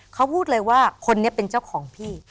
เขาพูดเลยว่าคนนี้เป็นเจ้าของพี่